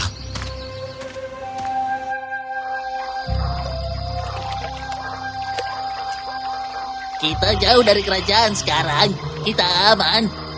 kita jauh dari kerajaan sekarang kita aman